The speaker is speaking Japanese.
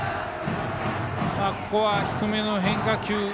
ここは低めの変化球。